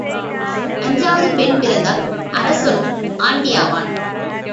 அஞ்சாவது பெண் பிறந்தால் அரசனும் ஆண்டி ஆவான்.